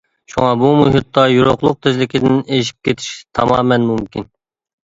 شۇڭا بۇ مۇھىتتا يورۇقلۇق تېزلىكىدىن ئېشىپ كېتىش تامامەن مۇمكىن.